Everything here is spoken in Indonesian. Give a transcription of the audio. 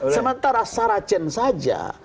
sementara saracen saja